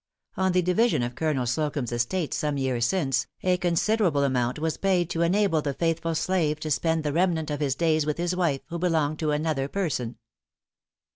On the division of Colonel Slocumb's estate some years since, a considerable amount was paid to en , able the faithful slave to spend the remnant of his days with his wife, who belonged to another person.